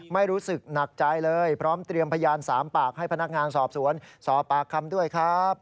ไม่รู้สึกหนักใจเลยพร้อมเตรียมพยาน๓ปากให้พนักงานสอบสวนสอบปากคำด้วยครับ